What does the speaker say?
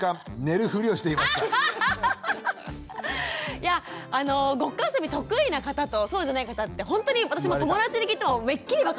いやあのごっこあそび得意な方とそうじゃない方ってほんとに私も友達に聞いてもめっきり分かれてて。